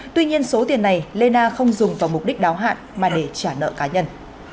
tuy nhiên số tiền này lê na không dùng vào mục đích đáo hạn mà để trả nợ cá nhân